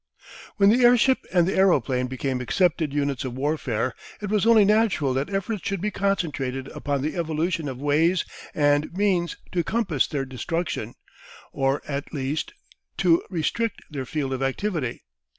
When the airship and the aeroplane became accepted units of warfare it was only natural that efforts should be concentrated upon the evolution of ways and means to compass their destruction or, at least, to restrict their field of activity.